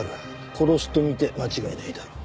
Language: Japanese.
殺しと見て間違いないだろう。